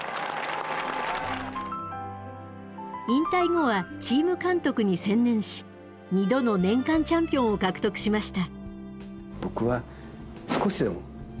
引退後はチーム監督に専念し２度の年間チャンピオンを獲得しました。